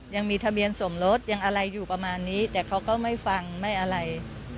ยังมีทะเบียนสมรสยังอะไรอยู่ประมาณนี้แต่เขาก็ไม่ฟังไม่อะไร